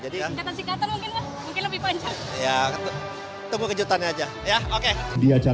singkatan singkatan mungkin mungkin lebih panjang